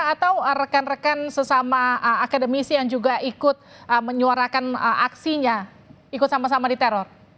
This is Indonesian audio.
atau rekan rekan sesama akademisi yang juga ikut menyuarakan aksinya ikut sama sama diteror